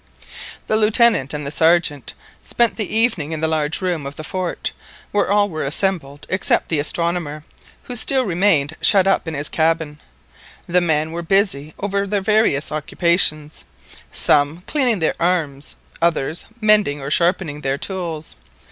The Lieutenant and the Sergeant spent the evening in the large room of the fort, where all were assembled except the astronomer, who still remained shut up in his cabin. The men were busy over their various occupations, some cleaning their arms, others mending or sharpening their tools.